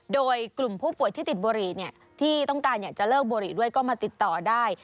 โดยกลุ่มผู้ป่วยที่ติดบุหรี่ที่ต้องการอยากจะเลิกบุหรี่ด้วยก็มาติดต่อได้